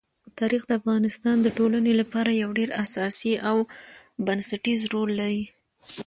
تاریخ د افغانستان د ټولنې لپاره یو ډېر اساسي او بنسټيز رول لري.